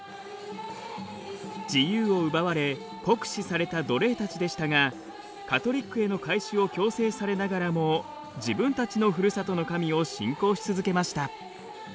自由を奪われ酷使された奴隷たちでしたがカトリックへの改宗を強制されながらも自分たちのふるさとの神を信仰し続けました。